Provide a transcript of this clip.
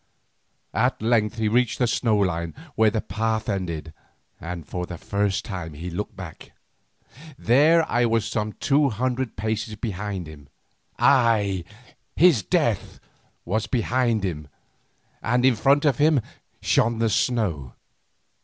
At length he reached the snow line where the path ended, and for the first time he looked back. There I was some two hundred paces behind him. I, his death, was behind him, and in front of him shone the snow.